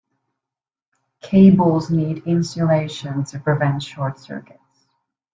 Cables need insulation to prevent short circuits.